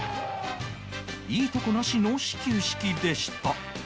いいとこなしの始球式でした